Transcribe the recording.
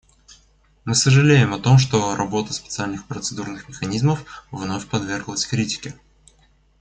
Мы сожалеем о том, что работа специальных процедурных механизмов вновь подверглась критике.